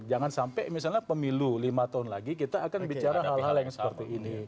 jangan sampai misalnya pemilu lima tahun lagi kita akan bicara hal hal yang seperti ini